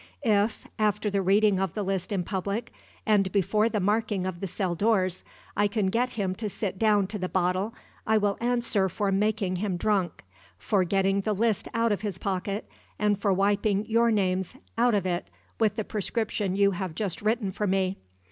If after the reading of the list in public, and before the marking of the cell doors I can get him to sit down to the bottle, I will answer for making him drunk, for getting the list out of his pocket, and for wiping your names out of it with the prescription you have just written for me.